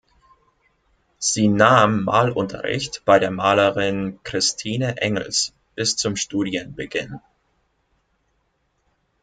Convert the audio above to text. Sie nahm Malunterricht bei der Malerin Christine Engels bis zum Studienbeginn.